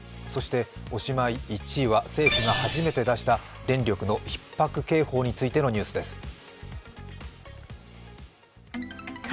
そして、おしまい１位は、政府が初めて出した電力のひっ迫警報についてのニュースです。